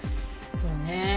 そうね。